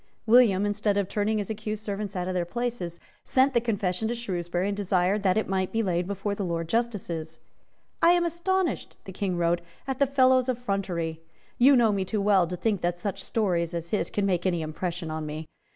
William, instead of turning his accused servants out of their places, sent the confession to Shrewsbury, and desired that it might be laid before the Lords Justices. "I am astonished," the King wrote, "at the fellow's effrontery. You know me too well to think that such stories as his can make any impression on me.